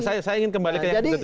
saya ingin kembali ke yang begitu